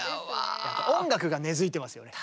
音楽が根づいてますよね。